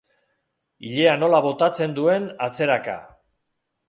Ilea nola botatzen duen atzeraka.